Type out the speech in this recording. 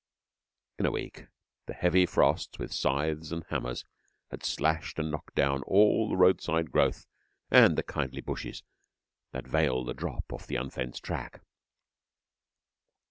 In a week the heavy frosts with scythes and hammers had slashed and knocked down all the road side growth and the kindly bushes that veil the drop off the unfenced track.